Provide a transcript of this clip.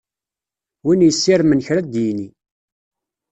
Win yessirmen kra ad d-yini.